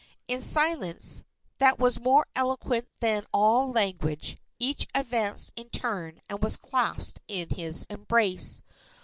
In silence, that was more eloquent than all language, each advanced in turn and was clasped in his embrace.